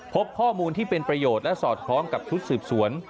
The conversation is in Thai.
พบข้อมูลที่เป็นประโยชน์และสอดคล้องกับชุดสืบสวน